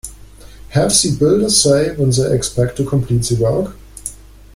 Have the builders said when they expect to complete the work?